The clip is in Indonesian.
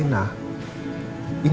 ini kesukaannya rena